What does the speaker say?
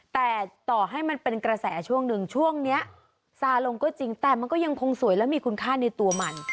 แต่ต่อให้มันเป็นกระแสช่วงหนึ่งช่วงนี้ซาลงก็จริงแต่มันก็ยังคงสวยและมีคุณค่าในตัวมัน